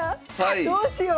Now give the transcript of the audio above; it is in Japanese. どうしよう。